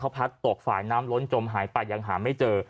พัดตกฝ่ายน้ำล้นจมหายไปยังหาไม่เจอ